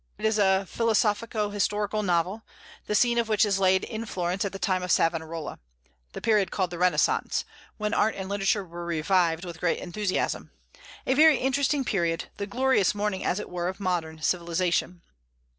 It is a philosophico historical novel, the scene of which is laid in Florence at the time of Savonarola, the period called the Renaissance, when art and literature were revived with great enthusiasm; a very interesting period, the glorious morning, as it were, of modern civilization.